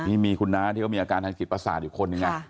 นี่มีคุณน้าที่ก็มีอาการทันกิจประสาทอยู่คนอย่างนี้